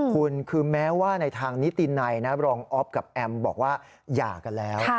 คุณคือแม้ว่าในทางนิตินัยนะรองอ๊อฟกับแอมบอกว่าหย่ากันแล้ว